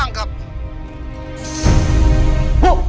soalnya kita lagi diintai sama polisi